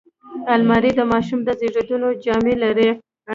الماري د ماشوم د زیږون جامې لري